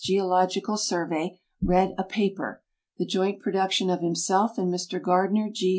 Jeological Survey, read a paper, the joint production of himself and Mr Gardiner G.